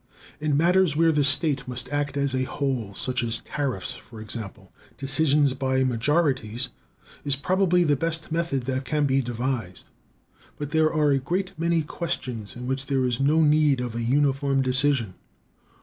In matters where the state must act as a whole, such as tariffs, for example, decision by majorities is probably the best method that can be devised. But there are a great many questions in which there is no need of a uniform decision.